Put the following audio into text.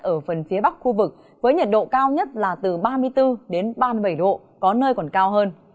ở phần phía bắc khu vực với nhiệt độ cao nhất là từ ba mươi bốn đến ba mươi bảy độ có nơi còn cao hơn